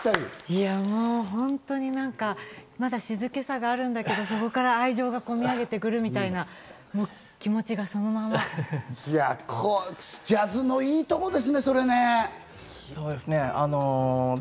いや、ホントに、まだ静けさがあるんだけど、そこから愛情が込み上げてくるみたいな気持ちが、ジャズのいいところですね、そうですね。